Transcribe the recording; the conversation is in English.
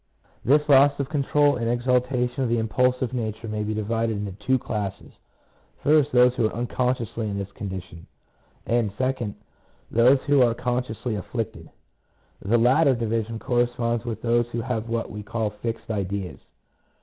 This loss of control and exaltation of the impulsive nature may be divided into two classes : first, those who are unconsciously in this condition; and second, those who are consciously afflicted. The latter division corresponds with those who have what we call fixed ideas.